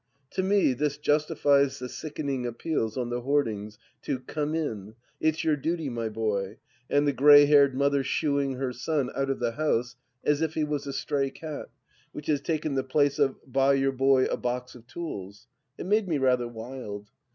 To me this justifies the sickening appeals on the hoardings to " Come In ?"" It's your duty, my boy " and the grey haired mother " shooing " her son out of the house as if he was a stray cat, which has taken the place of " Buy your boy a box of tools 1 " It made me rather wild.